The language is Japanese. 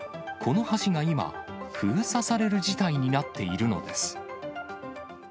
この橋が今、封鎖される事態になっているのです。